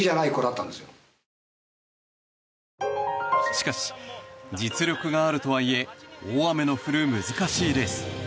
しかし実力があるとはいえ大雨の降る難しいレース。